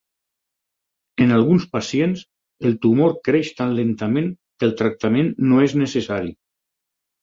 En alguns pacients, el tumor creix tan lentament que el tractament no és necessari.